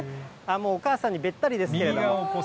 もうお母さんにべったりですけども。